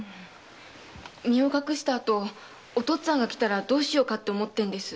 身を隠した後お父っつぁんが来たらどうしようかと思ってんです。